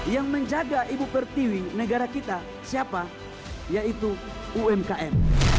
yang menjaga ibu pertiwi negara kita siapa yaitu umkm